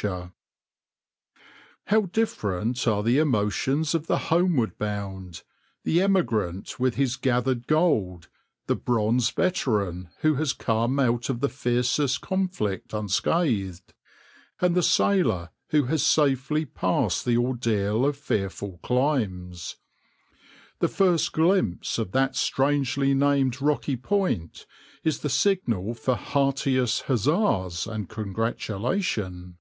\par \vs {\noindent} "How different are the emotions of the homeward bound the emigrant with his gathered gold, the bronzed veteran who has come out of the fiercest conflict unscathed, and the sailor who has safely passed the ordeal of fearful climes. The first glimpse of that strangely named rocky point is the signal for heartiest huzzas and congratulation."